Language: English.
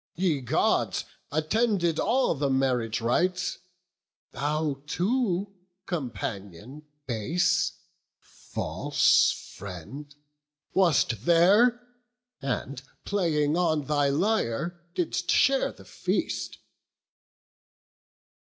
Ye, Gods, attended all the marriage rites; Thou too, companion base, false friend, wast there, And, playing on thy lyre, didst share the feast."